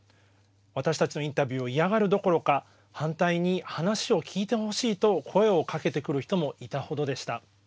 私たちのインタビューを嫌がるどころか反対に話を聞いてほしいと声をかけてくる人もいた程でした。